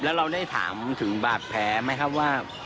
แล้วเราได้ถามถึงบาดแผลไหมครับว่า